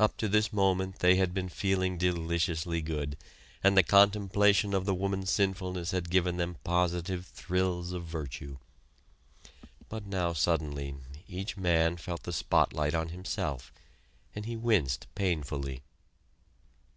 Up to this moment they had been feeling deliciously good, and the contemplation of the woman's sinfulness had given them positive thrills of virtue. But now suddenly each man felt the spotlight on himself, and he winced painfully.